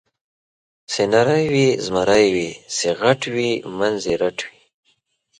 چې نری وي زمری وي، چې غټ وي منځ یې رټ وي.